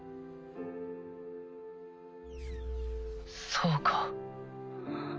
そうか。